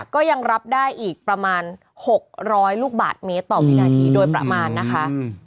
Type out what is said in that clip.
ก็ยังรับได้อีกประมาณ๖๐๐ลูกบาทเมตรต่อวินาทีโดยประมาณนะคะ